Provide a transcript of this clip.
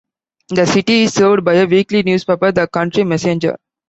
The city is served by a weekly newspaper, the "Country Messenger".